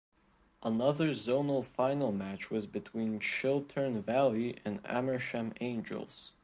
Another zonal final match was between Chiltern Valley and Amersham Angels.